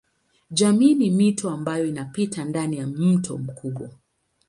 Jamii ni mito ambayo inapita ndani ya mto mkubwa.